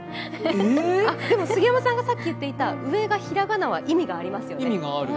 でも杉山さんがさっき言っていた上が平仮名は意味がありますよね。